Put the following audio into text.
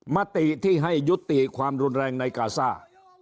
มติที่ให้ยุติความรุนแรงในกาซ่า